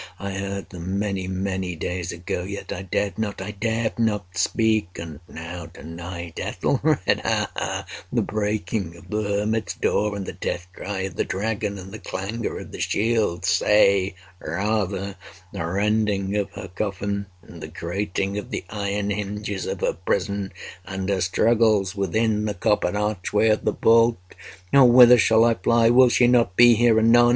I heard them—many, many days ago—yet I dared not—I dared not speak! And now—to night—Ethelred—ha! ha!—the breaking of the hermit's door, and the death cry of the dragon, and the clangor of the shield!—say, rather, the rending of her coffin, and the grating of the iron hinges of her prison, and her struggles within the coppered archway of the vault! Oh whither shall I fly? Will she not be here anon?